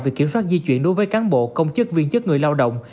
việc kiểm soát di chuyển đối với cán bộ công chức viên chức người lao động